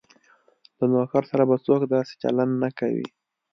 له نوکر سره به څوک داسې چلند نه کوي.